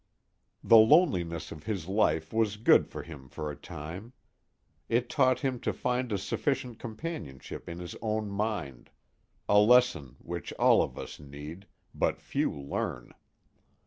The loneliness of his life was good for him for a time. It taught him to find a sufficient companionship in his own mind a lesson which all of us need, but few learn.